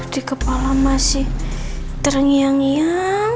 di kepala masih terngiang ngiang